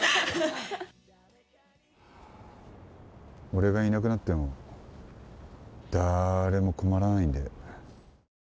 俺がいなくなっても誰も困らないんだよ。